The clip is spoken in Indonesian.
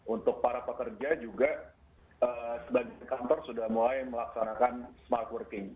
untuk para pekerja juga sebagian kantor sudah mulai melaksanakan smart working